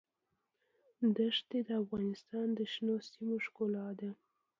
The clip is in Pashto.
ښتې د افغانستان د شنو سیمو ښکلا ده.